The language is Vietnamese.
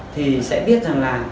thì sẽ biết rằng là